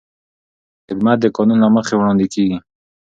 خدمت د قانون له مخې وړاندې کېږي.